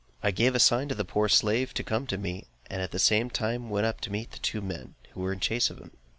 I gave a sign to the poor slave to come to me, and at the same time went up to meet the two men, who were in chase of him.